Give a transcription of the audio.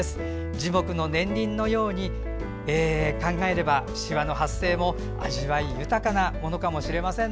樹木の年輪のように考えればしわの発生も味わい豊かなものかもしれません。